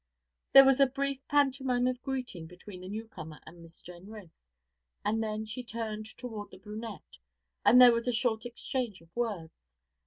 There was a brief pantomime of greeting between the newcomer and Miss Jenrys, and then she turned toward the brunette, and there was a short exchange of words.